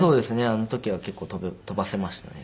あの時は結構飛ばせましたね